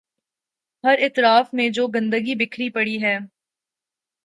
ہر اطراف میں جو گندگی بکھری پڑی ہے۔